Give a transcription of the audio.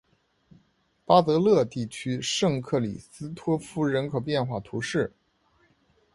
巴泽勒地区圣克里斯托夫人口变化图示